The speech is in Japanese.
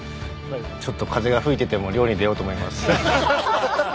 ちょっと風が吹いていても漁に出ようと思います。